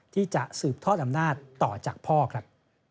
ที่จะสืบทอดอำนาจต่อจากพ่อครับ